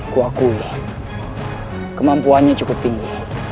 kuakui kemampuannya cukup tinggi